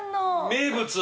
名物。